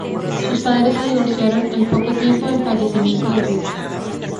Sus padres se divorciaron al poco tiempo del fallecimiento de River.